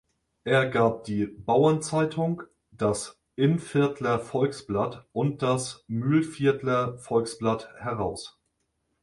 Er gab die "„Bauern-Zeitung“", das "„Innviertler Volksblatt“" und das "„Mühlviertler Volksblatt“" heraus.